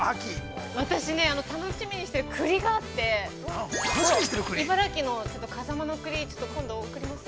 ◆私、楽しみにしてる栗があって、茨城のかざまの栗、今度送ります。